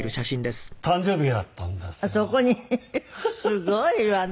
すごいわね。